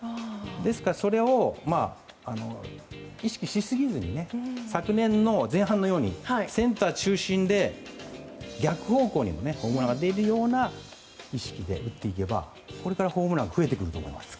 ですから、それを意識しすぎずに昨年の前半のようにセンター中心で逆方向にもホームランが出るような意識で打っていけばこれからホームランが増えてくると思います。